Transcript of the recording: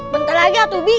bentar lagi atuh bik